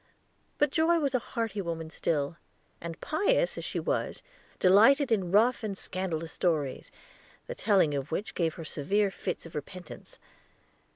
But Joy was a hearty woman still, and, pious as she was, delighted in rough and scandalous stories, the telling of which gave her severe fits of repentance.